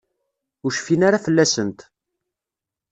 Ur cfin ara fell-asent.